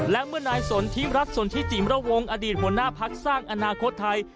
และเมื่อนายสนทิรัฐสนทิจิมระวงอดีตหัวหน้าพักสร้างอนาคตไทย